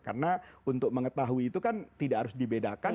karena untuk mengetahui itu kan tidak harus dibedakan